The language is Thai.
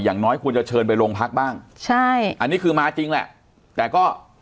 อย่างน้อยควรจะเชิญไปโรงพักบ้างใช่อันนี้คือมาจริงแหละแต่ก็